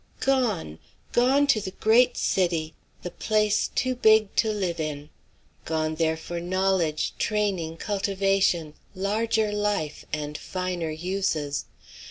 Gone! Gone to the great city, the place "too big to live in." Gone there for knowledge, training, cultivation, larger life, and finer uses!